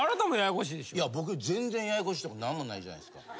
いや僕全然ややこしいとこなんもないじゃないですか。